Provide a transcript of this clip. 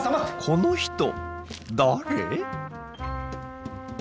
この人誰？